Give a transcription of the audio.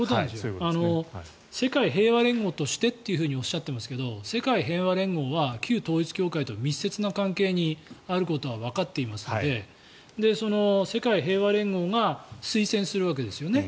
世界平和連合としてとおっしゃっていますが世界平和連合は旧統一教会と密接な関係にあることはわかっていますのでその世界平和連合が推薦するわけですよね